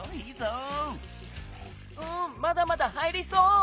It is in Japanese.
うんまだまだ入りそう！